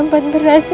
ambil papan berasnya